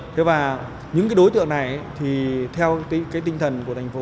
thế và những cái đối tượng này thì theo cái tinh thần của thành phố